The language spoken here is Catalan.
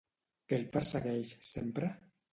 Què el persegueix sempre?